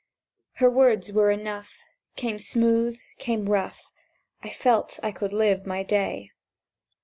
Her words were enough: Came smooth, came rough, I felt I could live my day.